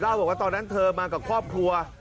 บอกว่าตอนนั้นเธอมากับครอบครัว